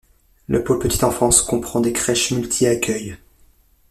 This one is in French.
Le pôle Petite enfance comprend des crèches multi-accueils.